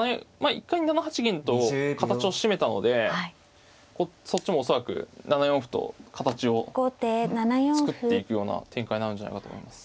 一回７八銀と形を締めたのでそっちも恐らく７四歩と形を作っていくような展開になるんじゃないかと思います。